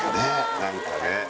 何かね